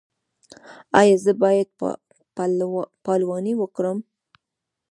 ایا زه باید پلوانی وکړم؟